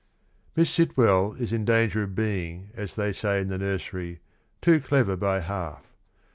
Miss Sitwell is in danger of being, as they say in the nursery, ' too clever by half.'